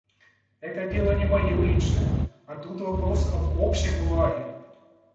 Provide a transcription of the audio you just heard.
Это дело не мое личное, а тут вопрос об общем благе.